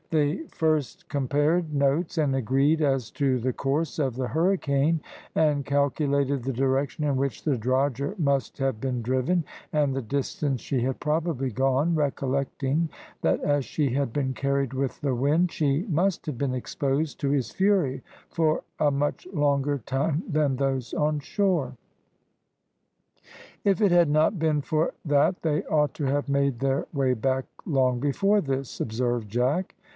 They first compared notes, and agreed as to the course of the hurricane, and calculated the direction in which the drogher must have been driven, and the distance she had probably gone, recollecting that as she had been carried with the wind she must have been exposed to its fury for a much longer time than those on shore. "If it had not been for that they ought to have made their way back long before this," observed Jack.